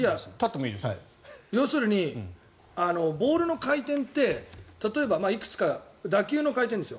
要するにボールの回転って例えばいくつか打球の回転ですよ。